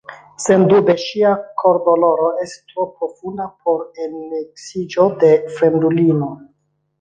Sendube ŝia kordoloro estis tro profunda por enmiksiĝo de fremdulino.